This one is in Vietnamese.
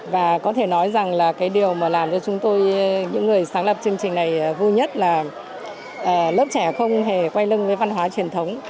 và có thể nói rằng là cái điều mà làm cho chúng tôi những người sáng lập chương trình này vui nhất là lớp trẻ không hề quay lưng với văn hóa truyền thống